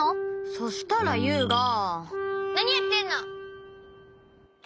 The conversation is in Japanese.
そしたらユウがなにやってんの！って。